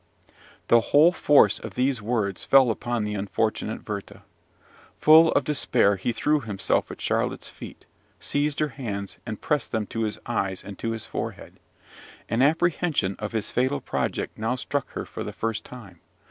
The whole force of these words fell upon the unfortunate Werther. Full of despair, he threw himself at Charlotte's feet, seized her hands, and pressed them to his eyes and to his forehead. An apprehension of his fatal project now struck her for the first time.